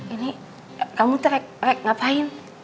ini kamu tuh rek rek ngapain